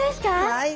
はい。